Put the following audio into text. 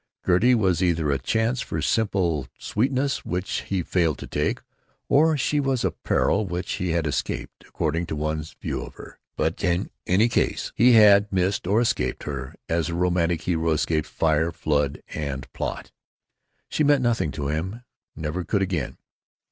Gertie was either a chance for simple sweetness which he failed to take, or she was a peril which he had escaped, according to one's view of her; but in any case he had missed—or escaped—her as a romantic hero escapes fire, flood, and plot. She meant nothing to him, never could again.